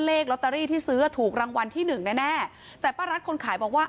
เลขลอตเตอรี่ที่ซื้อถูกรางวัลที่หนึ่งแน่แน่แต่ป้ารัฐคนขายบอกว่า